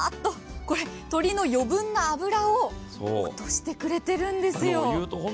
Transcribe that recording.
これ、鶏の余分な脂を落としてくれているんですよ。